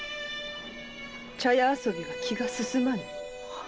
茶屋遊びは気がすすまぬ。